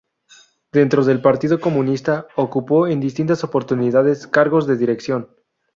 Dentro del Partido Comunista, ocupó en distintas oportunidades cargos de dirección.